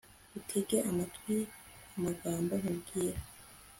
utege amatwi amagambo nkubwira